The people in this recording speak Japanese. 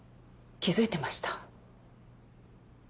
気付いてました？